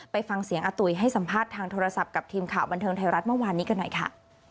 ไปฟังเสียงอาตุ๋ยให้สัมภาษณ์ทางโทรศัพท์กับทีมข่าวบันเทิงไทยรัฐเมื่อวานนี้กันหน่อยค่ะ